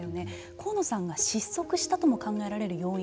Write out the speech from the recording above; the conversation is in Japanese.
河野さんが失速したとも考えられる要因